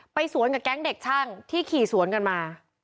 สวนกับแก๊งเด็กช่างที่ขี่สวนกันมา